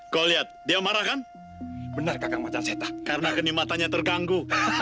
kau lihat dia marah kan benar karena matanya terganggu